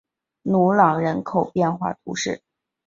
努朗人口变化图示